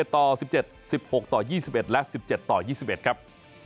ต่อ๑๗๑๖ต่อ๒๑และ๑๗ต่อ๒๑ครับ